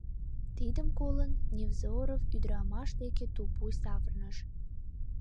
Тидым колын, Невзоров ӱдрамаш дек тупуй савырныш.